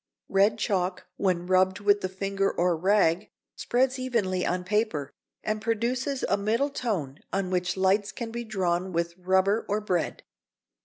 Red chalk when rubbed with the finger or a rag spreads evenly on paper, and produces a middle tone on which lights can be drawn with rubber or bread.